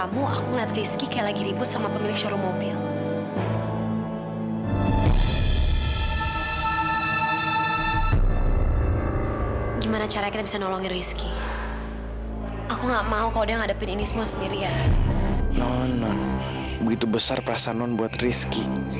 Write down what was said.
begitu besar perasaan non buat rizky